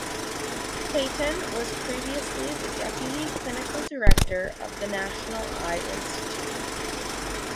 Clayton was previously the deputy clinical director of the National Eye Institute.